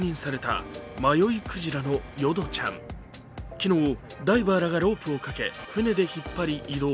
昨日、ダイバーらがロープをかけ船で引っ張り移動。